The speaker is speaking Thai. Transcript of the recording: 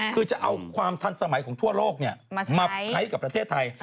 คือจะเอาความทันสมัยของทั่วโลกมาใช้กับประเทศไทย